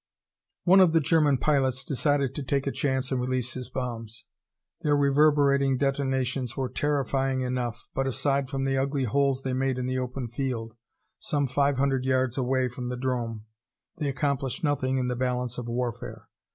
One of the German pilots decided to take a chance and release his bombs. Their reverberating detonations were terrifying enough, but aside from the ugly holes they made in the open field, some five hundred yards away from the 'drome, they accomplished nothing in the balance of warfare.